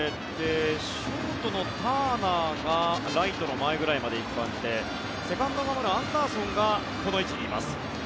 ショートのターナーがライトの前くらいまで行ってセカンドを守るアンダーソンがこの位置にいます。